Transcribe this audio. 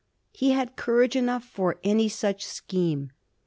He had courage enough for any such scheme.